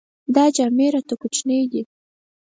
دا جامې راته کوچنۍ دي.